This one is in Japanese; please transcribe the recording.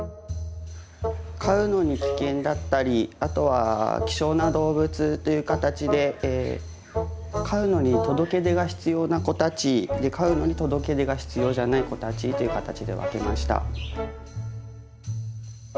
飼うのに危険だったりあとは希少な動物という形で飼うのに届出が必要な子たち飼うのに届出が必要じゃない子たちという形で分けました。